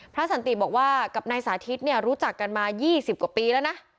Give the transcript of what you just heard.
สันติบอกว่ากับนายสาธิตเนี่ยรู้จักกันมา๒๐กว่าปีแล้วนะ